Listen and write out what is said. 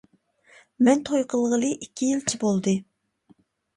مەن توي قىلغىلى ئىككى يىلچە بولدى.